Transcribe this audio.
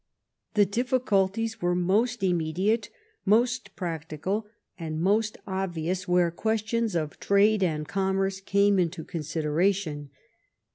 The difficulties were most immediate, most prac tical, and most obvious where questions of trade and commerce came into consideration.